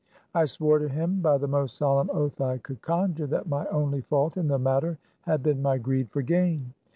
I swore to him by the most solemn oath I could conjure that my only fault in the matter had been my greed for gain.